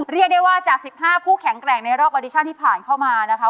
เรียกได้ว่าจาก๑๕ผู้แข็งแกร่งในรอบออดิชันที่ผ่านเข้ามานะคะ